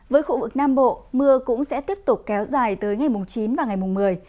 với khu vực nam bộ mưa cũng sẽ tiếp tục kéo dài tới ngày chín và ngày một mươi